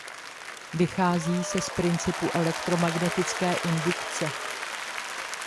Vychází se z principu elektromagnetické indukce.